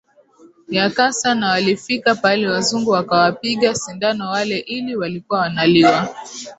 ya kasa Na walifika pahali wazungu wakawapiga sindano wale ili walikuwa wanaliwa